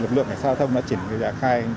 lực lượng cảnh sát giao thông đã triển khai